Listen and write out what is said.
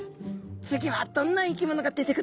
次はどんな生き物が出てくると思いますか？